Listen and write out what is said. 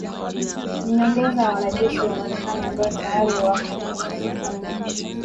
Ni nyongeza ya wanajeshi wa Marekani ambao tayari wako nchini humo.